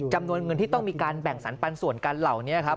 จำนวนเงินที่ต้องมีการแบ่งสรรปันส่วนกันเหล่านี้ครับ